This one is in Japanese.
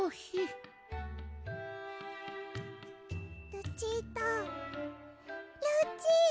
ルチータルチータ。